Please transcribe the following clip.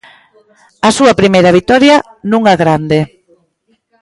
A súa primeira vitoria nunha grande.